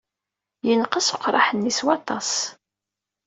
Yenqes uqraḥ-nni s waṭas.